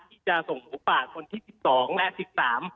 ที่จะส่งหูปากคนที่๑๒และ๑๓